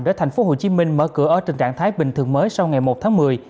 để thành phố hồ chí minh mở cửa ở trình trạng thái bình thường mới sau ngày một tháng một mươi